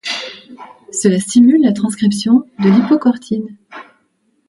Cela stimule la transcription de lipocortine.